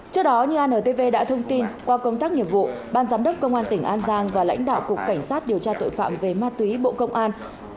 trước đó như antv đã thông tin qua công tác nghiệp vụ ban giám đốc công an tỉnh an giang và lãnh đạo cục cảnh sát điều tra tội phạm về ma túy bộ công an